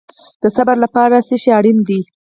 د صبر لپاره څه شی اړین دی؟